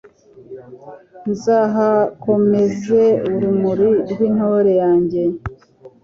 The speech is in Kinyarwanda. nzahakomeze urumuri rw'intore yanjye